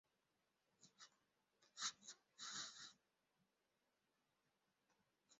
Mapigano yalianza na watu elfu kadhaa waliuawa.